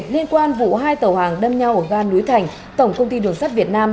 liên quan vụ hai tàu hàng đâm nhau ở ga núi thành tổng công ty đường sắt việt nam